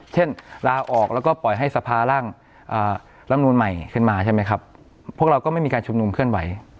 เช่นลาออกแล้วก็ปล่อยให้สภาร่างลำนูนใหม่ขึ้นมาใช่ไหมครับพวกเราก็ไม่มีการชุมนุมเคลื่อนไหว